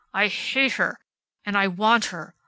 I hate her! And I want her.